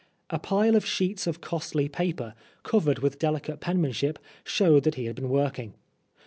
A pile of sheets of costly paper, covered with delicate penmanship, showed that he had been working.